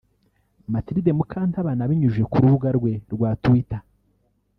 Mathilde Mukantabana abinyujije ku rubuga rwe rwa Twitter